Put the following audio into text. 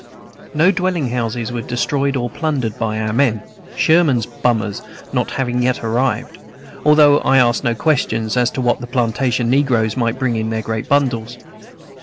No dwelling houses were destroyed or plundered by our men, Sherman's "bummers" not having yet arrived, though I asked no questions as to what the plantation negroes might bring in their great bundles.